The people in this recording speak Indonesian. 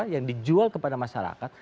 yang dijual kepada masyarakat